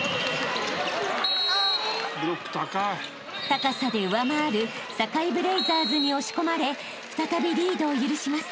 ［高さで上回る堺ブレイザーズに押し込まれ再びリードを許します］